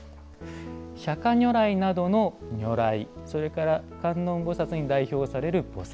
釈迦如来などの如来それから観音菩薩などに代表される菩薩。